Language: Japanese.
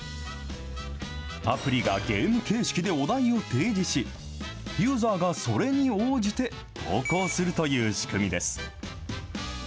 アプリがゲーム形式でお題を提示し、ユーザーがそれに応じて投稿するという仕組みです。